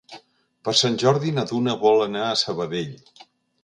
Per Sant Jordi na Duna vol anar a Sabadell.